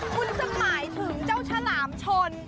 คุณสมายถึงเจ้าชาหลามชน